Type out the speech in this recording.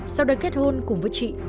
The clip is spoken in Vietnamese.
sau đó kết hôn cùng với chị